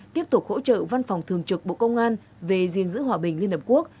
tiếp tục hỗ trợ văn phòng thường trực bộ công an về diện giữ hòa bình liên hợp quốc